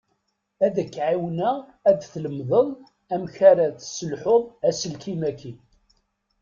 Ad k-εiwneɣ ad tlemdeḍ amek ara tesselḥuḍ aselkim-ik.